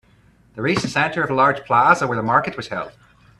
They reached the center of a large plaza where the market was held.